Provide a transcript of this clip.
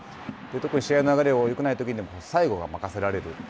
特に試合の流れをよくないときにでも最後は任せられる。